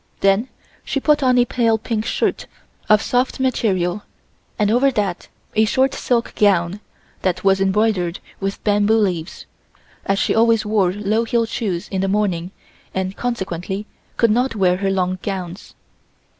Then she put on a pale pink shirt of soft material and over that a short silk gown, that was embroidered with bamboo leaves, as she always wore low heeled shoes in the morning and consequently could not wear her long gowns.